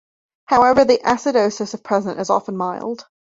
However, the acidosis, if present, is often mild.